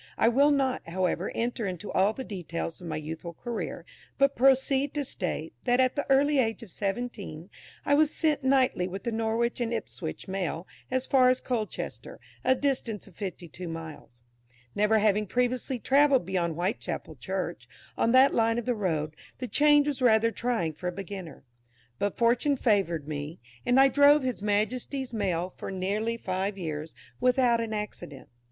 I will not, however, enter into all the details of my youthful career, but proceed to state, that at the early age of seventeen I was sent nightly with the Norwich and Ipswich Mail as far as Colchester, a distance of fifty two miles. Never having previously travelled beyond Whitechapel Church, on that line of road, the change was rather trying for a beginner. But Fortune favoured me; and I drove His Majesty's Mail for nearly five years without an accident.